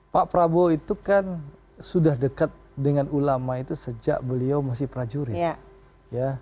pak prabowo itu kan sudah dekat dengan ulama itu sejak beliau masih prajurit ya